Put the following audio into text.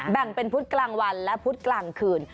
แบ่งเป็นพุธกลางวันและพุธกลางคืน